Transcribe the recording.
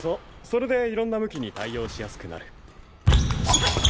それで色んな向きに対応しやすくなる。